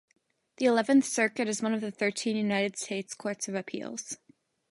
The Eleventh Circuit is one of the thirteen United States courts of appeals.